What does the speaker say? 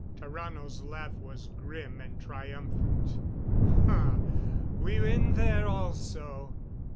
Tarrano's laugh was grim and triumphant. "Ha! We win there, also!